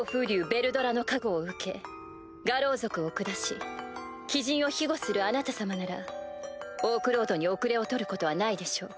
ヴェルドラの加護を受け牙狼族を下し鬼人を庇護するあなた様ならオークロードに後れを取ることはないでしょう。